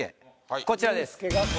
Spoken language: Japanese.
こちらです。